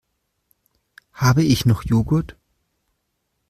Habe ich noch Joghurt?